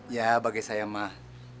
ya bagai saya mak